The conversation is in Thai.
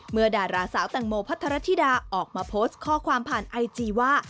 ดาราสาวแตงโมพัทรธิดาออกมาโพสต์ข้อความผ่านไอจีว่า